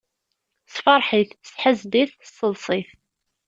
Sefreḥ-it, seḥzen-it, seḍs-it.